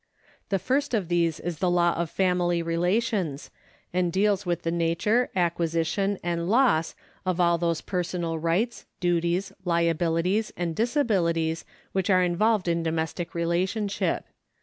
The first of these is the law of family relations, and deals with the nature, acquisition, and loss of all those personal rights, duties, liabilities, and disabiUties which are involved in domestic relationship.